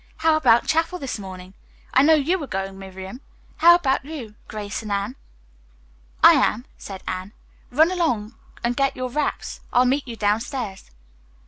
How about chapel this morning? I know you are going, Miriam. How about you, Grace and Anne?" "I am," said Anne. "Run along and get your wraps. I'll meet you downstairs."